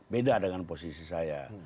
beda dengan posisi saya